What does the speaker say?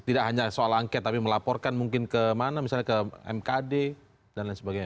tidak hanya soal angket tapi melaporkan mungkin ke mana misalnya ke mkd dan lain sebagainya